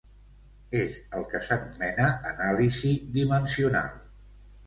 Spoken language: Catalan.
És el que s'anomena anàlisi dimensional.